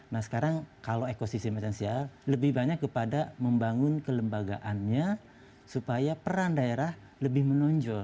nah sekarang kalau ekosistem esensial lebih banyak kepada membangun kelembagaannya supaya peran daerah lebih menonjol